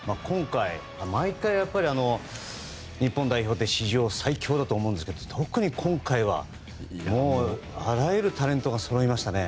毎回、日本代表って史上最強だと思うんですが特に今回はあらゆるタレントがそろいましたね。